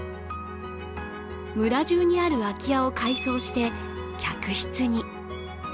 村じゅうにある空き家を改装して客室に。